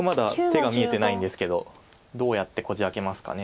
手が見えてないんですけどどうやってこじ開けますか。